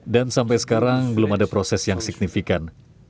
dan sampai sekarang belum ada proses yang signifikan